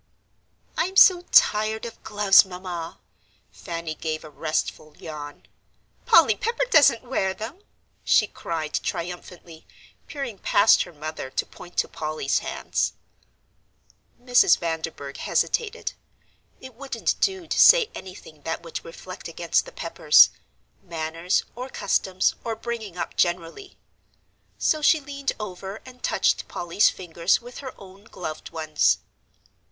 "I'm so tired of gloves, Mamma." Fanny gave a restful yawn. "Polly Pepper doesn't wear them," she cried triumphantly, peering past her mother to point to Polly's hands. Mrs. Vanderburgh hesitated. It wouldn't do to say anything that would reflect against the Peppers manners, or customs, or bringing up generally. So she leaned over and touched Polly's fingers with her own gloved ones.